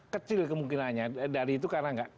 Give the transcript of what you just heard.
kecil kemungkinannya dari itu karena nggak